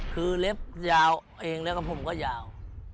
คือเล็บยาวเองแล้วก็ผมก็ยาว